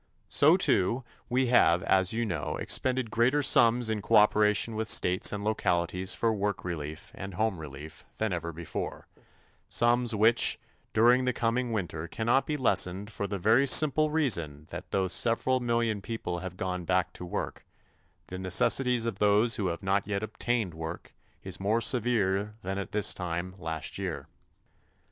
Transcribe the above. So, too, we have, as you know, expended greater sums in cooperation with states and localities for work relief and home relief than ever before sums which during the coming winter cannot be lessened for the very simple reason that though several million people have gone back to work, the necessities of those who have not yet obtained work is more severe than at this time last year.